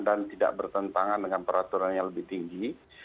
dan tidak bertentangan dengan peraturan yang lebih tinggi